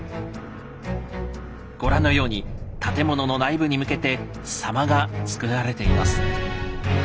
ご覧のように建物の内部に向けて狭間が作られています。